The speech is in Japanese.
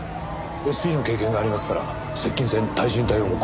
ＳＰの経験がありますから接近戦対人対応も心得ています。